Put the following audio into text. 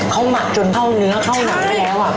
เขาหมักจนเข้าเนื้อเข้าหนังไปแล้ว